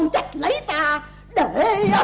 chàng ơi ta nhìn kìa